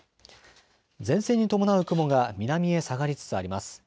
前線に伴う雲が南へ下がりつつあります。